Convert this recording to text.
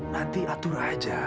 nanti atur aja